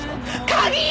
鍵！